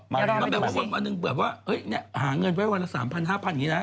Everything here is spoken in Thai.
มาแบบว่าหาเงินไว้วันละ๓๐๐๐๕๐๐๐อย่างนี้นะ